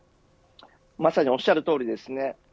まさにおっしゃるとおりですね。